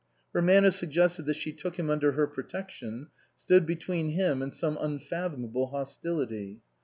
Her manner suggested that she took him under her protection, stood between him and some un fathomable hostility.